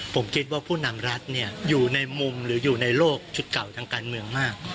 ผมคิดว่าผู้นำรัฐอยู่ในมุมหรืออยู่ในโลกชุดเก่าทางการเมืองมาก